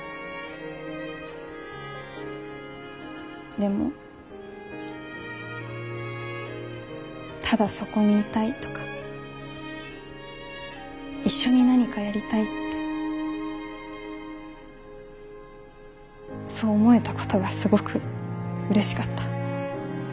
でもただそこにいたいとか一緒に何かやりたいってそう思えたことがすごくうれしかった。